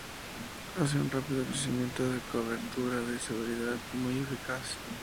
Hace un rápido crecimiento de cobertura de seguridad muy eficaz.